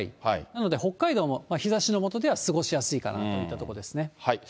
なので、北海道も日ざしのもとでは過ごしやすいかなといったところですね。